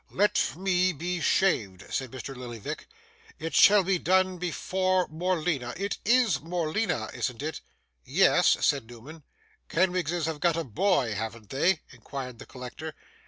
'Let me be shaved!' said Mr. Lillyvick. 'It shall be done before Morleena; it IS Morleena, isn't it?' 'Yes,' said Newman. 'Kenwigses have got a boy, haven't they?' inquired the collector.